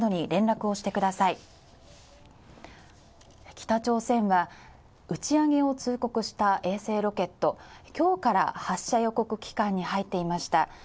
北朝鮮は打ち上げを通告した衛星ロケット、今日から発射予告期間に入っていました。